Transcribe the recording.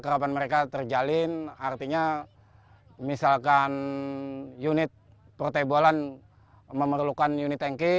setelah kebakaran mereka terjalin artinya misalkan unit portable an memerlukan unit tanki